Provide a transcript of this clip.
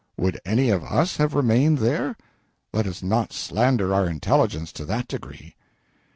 Would any of us have remained there? Let us not slander our intelligence to that degree.